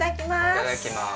いただきます。